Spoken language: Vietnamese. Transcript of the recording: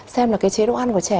xem là cái chế độ ăn của trẻ